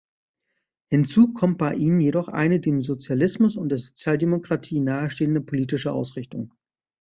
Hinzu kommt bei ihnen jedoch eine dem Sozialismus und der Sozialdemokratie nahestehende politische Ausrichtung.